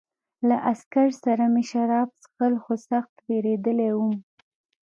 له عسکر سره مې شراب څښل خو سخت وېرېدلی وم